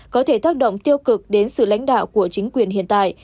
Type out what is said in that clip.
có thể tác động tiêu cực đến sự lãnh đạo của chính quyền hiện tại